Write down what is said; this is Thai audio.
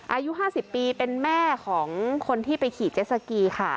อายุ๕๐ปีเป็นแม่ของคนที่ไปขี่เจสสกีค่ะ